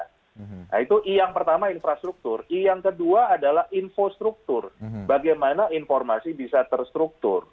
nah itu yang pertama infrastruktur i yang kedua adalah infrastruktur bagaimana informasi bisa terstruktur